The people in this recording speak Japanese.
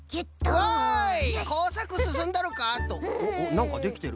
なんかできてる。